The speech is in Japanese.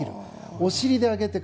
お尻で上げていく。